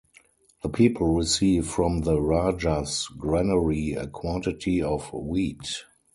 The people receive from the rajah's granary a quantity of wheat.